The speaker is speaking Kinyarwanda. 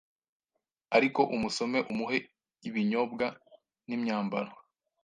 Ariko umusome umuhe ibinyobwa nimyambaro